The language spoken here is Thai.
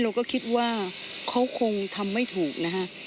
เราก็คิดว่าเขาคงทำไม่ถูกนะคะ